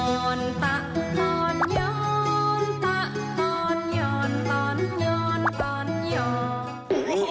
ย้อนตอนหย้อนตอนหย้อน